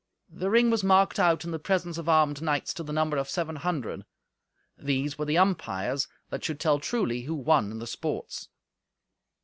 The ring was marked out in the presence of armed knights to the number of seven hundred. These were the umpires, that should tell truly who won in the sports.